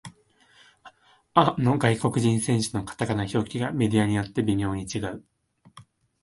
あの外国人選手のカタカナ表記がメディアによって微妙に違う